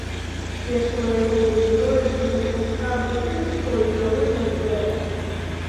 Цешыла яго вельмі тое, што гэтага скарбу ўжо ніхто ад яго не адбярэ.